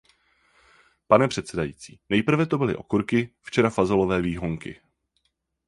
Pane předsedající, nejprve to byly okurky, včera fazolové výhonky.